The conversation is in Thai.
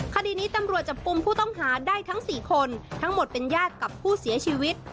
คดีนี้ตำรวจจับกลุ่มผู้ต้องหาได้ทั้ง๔คนทั้งหมดเป็นญาติกับผู้เสียชีวิต